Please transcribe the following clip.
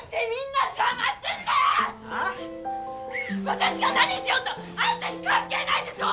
私が何しようとあんたに関係ないでしょ！